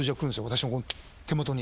私の手元に。